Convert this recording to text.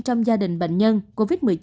trong gia đình bệnh nhân covid một mươi chín